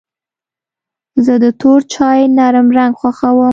زه د تور چای نرم رنګ خوښوم.